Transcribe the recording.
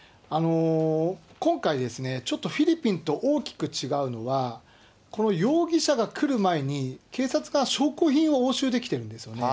今回、ちょっとフィリピンと大きく違うのは、この容疑者が来る前に、警察が証拠品を押収できてるんですよね。